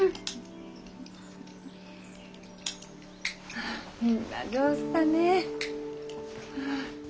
あぁみんな上手だねぇ。